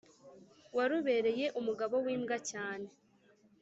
warubereye umugabo wimbwa cyane